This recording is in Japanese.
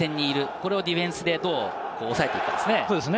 これをディフェンスでどう抑えていくかですね。